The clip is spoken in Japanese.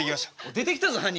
出てきたぞ犯人。